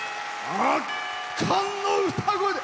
圧巻の歌声で。